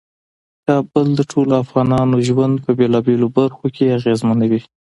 کابل د ټولو افغانانو ژوند په بیلابیلو برخو کې اغیزمنوي.